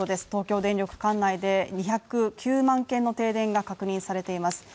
東京電力管内で２０９万軒の停電が確認されています。